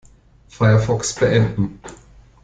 Firefox beenden.